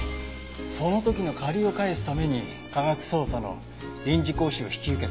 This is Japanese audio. その時の借りを返すために科学捜査の臨時講習を引き受けたってわけですか。